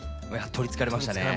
取りつかれましたね。